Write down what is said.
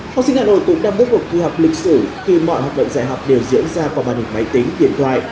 học sinh hà nội cũng đang bước vào kỳ học lịch sử khi mọi hoạt động dạy học đều diễn ra qua màn hình máy tính điện thoại